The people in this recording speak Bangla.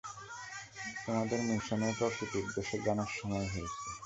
তোমাদের মিশনের প্রকৃত উদ্দেশ্য জানার সময় হয়েছে।